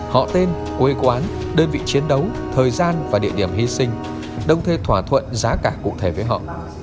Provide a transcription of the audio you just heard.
họ tên quê quán đơn vị chiến đấu thời gian và địa điểm hy sinh đồng thời thỏa thuận giá cả cụ thể với họ